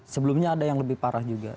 sebelumnya ada yang lebih parah juga